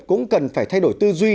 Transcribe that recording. cũng cần phải thay đổi tư duy